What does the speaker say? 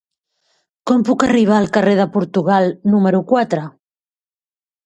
Com puc arribar al carrer de Portugal número quatre?